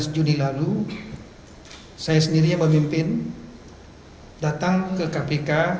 jadi dia problematic